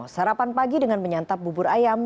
sarapan pagi dengan menyantap bubur ayam